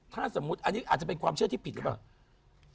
ถ้าสมมุติอันนี้อาจจะเป็นความเชื่อที่ผิดหรือเปล่า